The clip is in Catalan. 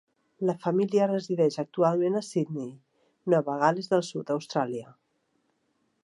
La família resideix actualment a Sidney, Nova Gal·les del Sud, Austràlia.